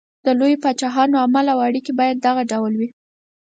د لویو پاچاهانو عمل او اړېکې باید دغه ډول وي.